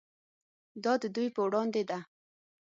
دا د دوی په وړاندې ده.